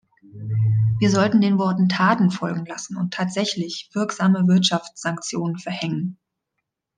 Wir sollten den Worten Taten folgen lassen und tatsächlich wirksame Wirtschaftssanktionen verhängen!